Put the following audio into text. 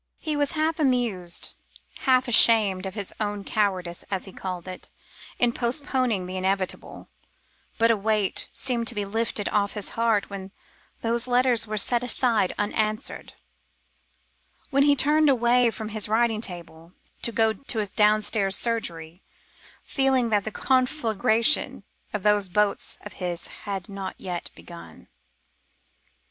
He was half amused, half ashamed of his own cowardice, as he called it, in postponing the inevitable, but a weight seemed to be lifted off his heart when those letters were set aside unanswered, when he turned away from the writing table, to go to his downstairs surgery, feeling that the conflagration of those boats of his had not yet begun.